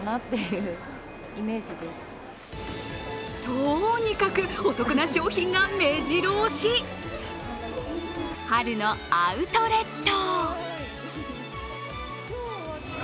とにかくお得な商品がめじろ押し、春のアウトレット。